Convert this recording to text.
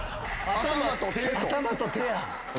頭と手と。